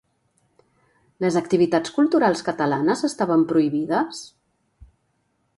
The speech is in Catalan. Les activitats culturals catalanes estaven prohibides?